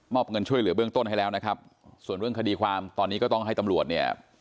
เงินช่วยเหลือเบื้องต้นให้แล้วนะครับส่วนเรื่องคดีความตอนนี้ก็ต้องให้ตำรวจเนี่ย